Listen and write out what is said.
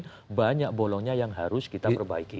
tapi banyak bolongnya yang harus kita perbaiki